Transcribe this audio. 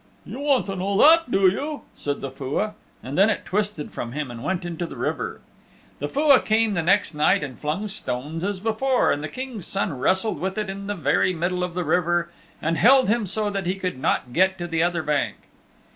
"You want to know that do you?" said the Fua, and then it twisted from him and went into the river. The Fua came the next night and flung stones as before, and the King's Son wrestled with it in the very middle of the river, and held him so that he could not get to the other bank.